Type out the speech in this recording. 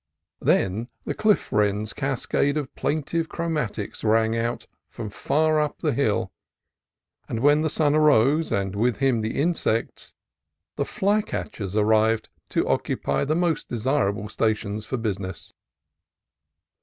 Then the cliff wren's cascade of plaintive chromatics rang out from far up the hill; and when the sun arose, and with him the insects, the flycatchers arrived to occupy the most desirable stations for business.